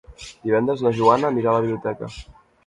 Divendres na Joana anirà a la biblioteca.